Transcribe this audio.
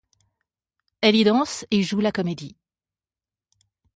Elle y danse et joue la comédie.